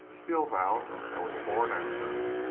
Steele vowed I was a born actor.